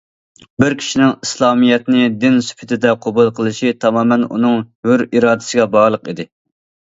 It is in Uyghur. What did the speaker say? بىر كىشىنىڭ ئىسلامىيەتنى دىن سۈپىتىدە قوبۇل قىلىشى تامامەن ئۇنىڭ ھۆر ئىرادىسىگە باغلىق ئىدى.